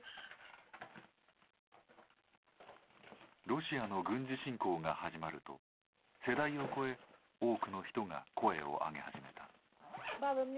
ロシアの軍事侵攻が始まると世代を超え多くの人が声を上げ始めた。